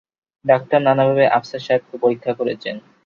ডাক্তারা নানানভাবে আফসার সাহেবকে পরীক্ষা করেছেন।